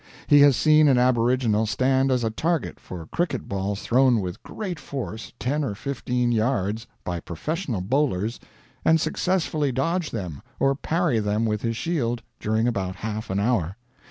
He has seen an aboriginal stand as a target for cricket balls thrown with great force ten or fifteen yards, by professional bowlers, and successfully dodge them or parry them with his shield during about half an hour.